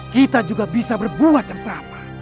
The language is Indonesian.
kita juga bisa berbuat sesama